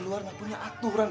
doan push me bang